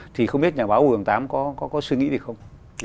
thì không biết nhà báo hồ hường tám có suy nghĩ gì không